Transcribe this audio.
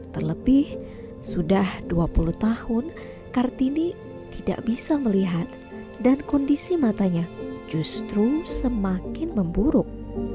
terlebih sudah dua puluh tahun kartini tidak bisa melihat dan kondisi matanya justru semakin memburuk